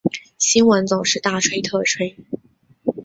新闻总是大吹特吹